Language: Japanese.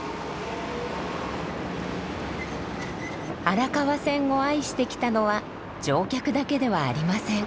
荒川線を愛してきたのは乗客だけではありません。